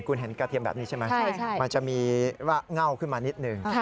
คุณเห็นกระเทียมแบบนี้ใช่ไหมมันจะมีรากเง่าขึ้นมานิดนึง